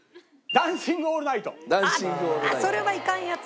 「ダンシング・オールナイト」